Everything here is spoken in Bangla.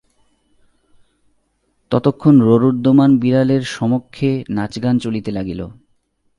ততক্ষণ রোরুদ্যমান বিড়ালের সমক্ষে নাচগান চলিতে লাগিল।